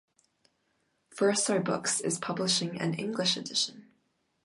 Verso Books is publishing an English edition.